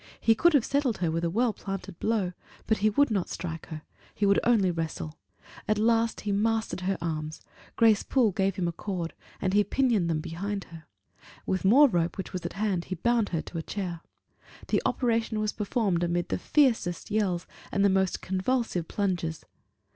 He could have settled her with a well planted blow; but he would not strike her; he would only wrestle. At last he mastered her arms; Grace Poole gave him a cord, and he pinioned them behind her; with more rope, which was at hand, he bound her to a chair. The operation was performed amid the fiercest yells and the most convulsive plunges.